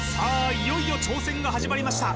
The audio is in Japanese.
いよいよ挑戦が始まりました